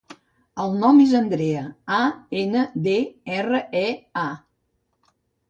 El nom és Andrea: a, ena, de, erra, e, a.